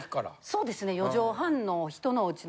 そうですね。